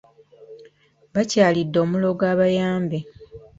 Baakyalidde omulogo abayambe.